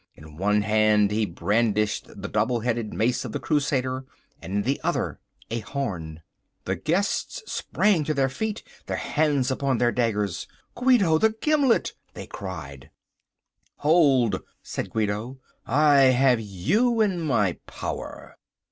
In one hand he brandished the double headed mace of the Crusader, and in the other a horn. The guests sprang to their feet, their hands upon their daggers. "Guido the Gimlet!" they cried. "Hold," said Guido, "I have you in my power!!"